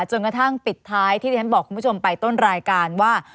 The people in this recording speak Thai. จนกระทั่งปิดท้ายที่ที่ฉันบอกคุณผู้ชมไปต้นรายการว่า